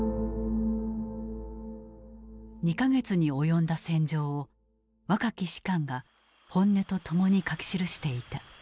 ２か月に及んだ戦場を若き士官が本音と共に書き記していた。